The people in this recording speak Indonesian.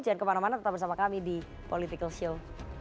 jangan kemana mana tetap bersama kami di political show